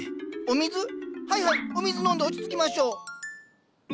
はいはいお水飲んで落ち着きましょう。